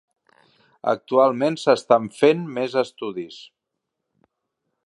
Actualment s'estan fent més estudis.